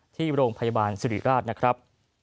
ที่โรงพยาบาลสิริราชนะครับ